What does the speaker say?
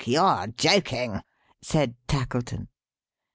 you're joking," said Tackleton.